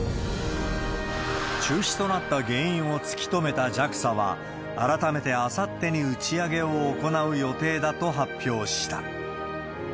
中止となった原因を突き止めたＪＡＸＡは、改めて、あさってに打ち上げを行う予定だと発表した。